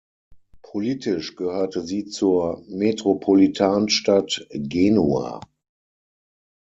Politisch gehörte sie zur Metropolitanstadt Genua.